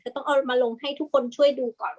ต้องเอามาลงให้ทุกคนช่วยดูก่อน